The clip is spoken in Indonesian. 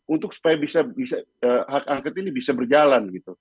untuk supaya hak angket ini bisa berjalan